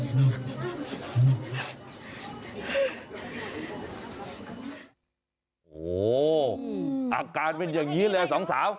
โหอาการเป็นอย่างนี้เลยหรือหละสองสาว